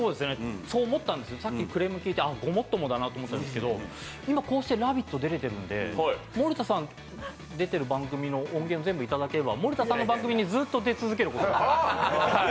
そう思ったんですよ、さっきクレーム聞いてああごもっともだなと思ったんですけど今こうやって「ラヴィット！」出てるんで森田さん出てる番組の音源を全部いただければ森田さんの番組にずっと出続けることができる。